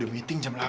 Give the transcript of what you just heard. kamu di atau appeal